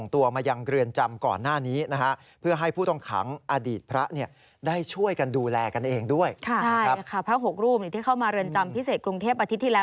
ไปในแดนสามดันสี่และดันหกตอนนี้เปรียบตัวเดี๋ยวแหละ